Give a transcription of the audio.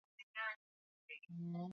Weka donge katikati ya meza na ukande